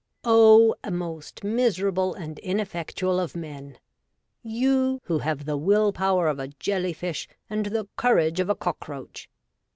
O ! most miserable and ineffectual of men ; you who have the will power of a jelly fish and the courage of a cockroach